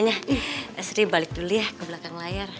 nyonya sri balik dulu ya ke belakang layar